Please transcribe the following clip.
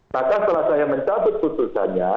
maka setelah saya mencabut putusannya